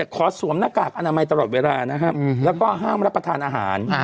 ขอสวมหน้ากากอนามัยตลอดเวลานะครับแล้วก็ห้ามรับประทานอาหาร